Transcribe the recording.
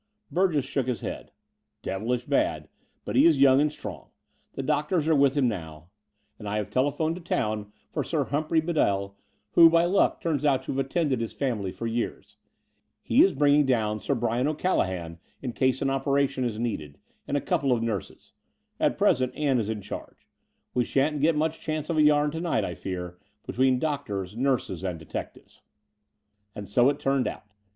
*' Burgess shook his head. "Devilish bad: but he is yoimg and strong. The doctors are with him now; and I have tele 72 The Door of the Vnfeal phoned to town for Sir Humphrey Bedell who, by luck, turns out to have attended his family for years. He is bringing down Sir Bryan O'Callaghan in case an operation is needed, and a couple of nurses. At present Ann is in charge. We shan't get much chance of a yam to night, I fear, between doctors, nurses, and detectives." And so it turned out.